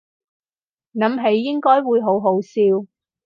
諗起應該會好好笑